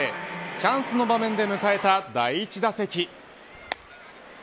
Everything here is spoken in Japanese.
チャンスの場面で迎えた第１打席。